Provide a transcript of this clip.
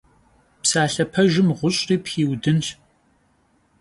Psalhe pejjım ğuş'ri pxiudınş.